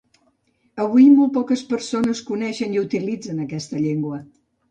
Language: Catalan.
Avui molt poques persones coneixen i utilitzen aquesta llengua.